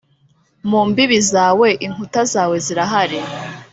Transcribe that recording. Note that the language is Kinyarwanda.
mu mbibi zawe Inkuta zawe zirahari